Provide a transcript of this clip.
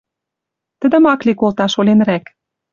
Тӹдӹм ак ли колташ оленрӓк.